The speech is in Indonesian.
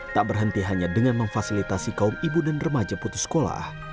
tak berhenti hanya dengan memfasilitasi kaum ibu dan remaja putus sekolah